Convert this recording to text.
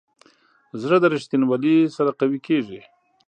زړه د ریښتینولي سره قوي وي.